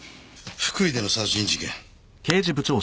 福井での殺人事件？